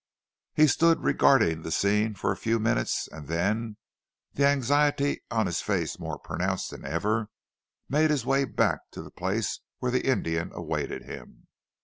He stood regarding the scene for a few minutes and then, the anxiety on his face more pronounced than ever, made his way back to the place where the Indian awaited him.